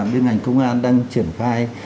bên ngành công an đang triển khai